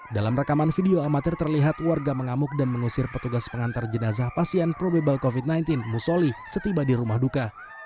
dalam rekaman video amatir terlihat warga mengamuk dan mengusir petugas pengantar jenazah pasien probable covid sembilan belas musoli setiba di rumah duka